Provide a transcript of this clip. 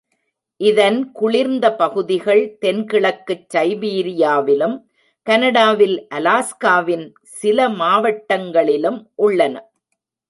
இதன் குளிர்ந்த பகுதிகள் தென் கிழக்குச் சைபீரியாவிலும், கனடாவில் அலாஸ்காவின் சில மாவட்டங்களிலும் உள்ளன.